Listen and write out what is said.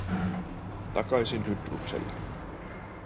Takaisin Hydrukselle